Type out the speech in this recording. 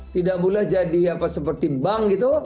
tidak boleh jadi seperti bank gitu